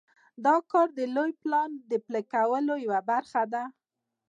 دا کار د لوی پلان د پلي کولو یوه برخه ده.